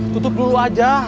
tutup dulu aja